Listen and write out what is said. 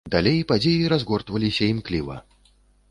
Далей падзеі разгортваліся імкліва.